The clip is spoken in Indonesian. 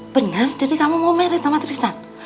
bener jadi kamu mau married sama tristan